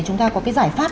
chúng ta có cái giải pháp